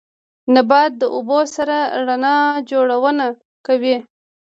نبات د اوبو سره رڼا جوړونه کوي